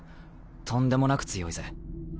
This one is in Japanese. とんでもなく強いぜ。